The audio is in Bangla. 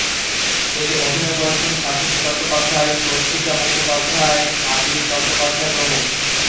এতে অভিনয়ে করেছেন শাশ্বত চট্টোপাধ্যায়, স্বস্তিকা মুখোপাধ্যায়, আবির চট্টোপাধ্যায় প্রমুখ।